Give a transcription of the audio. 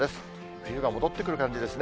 冬が戻ってくる感じですね。